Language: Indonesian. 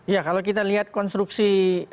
ya kalau kita lihat konstruksi